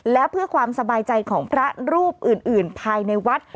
และเพื่อความสบายใจของพระรูปอื่นภายในวัด